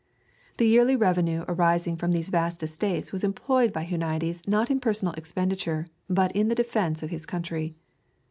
The yearly revenue arising from these vast estates was employed by Huniades not in personal expenditure but in the defence of his country.